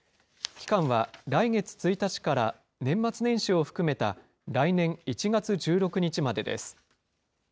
期間は来月１日から年末年始を含めた来年１月１６日までです。